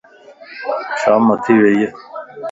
شام ٿي ويئي